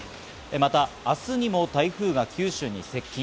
また、明日にも台風が九州に接近。